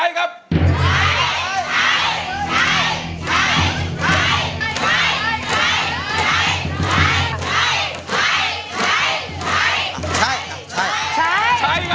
เพลงที่สี่